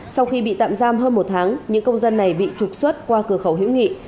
sau khi bị tạm giam hơn một tháng những công dân này bị trục xuất qua cửa khẩu hữu nghị